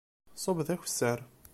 Ṣub d akessar.